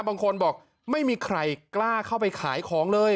บางคนบอกไม่มีใครกล้าเข้าไปขายของเลย